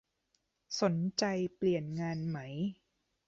สนใจเปลี่ยนงานไหม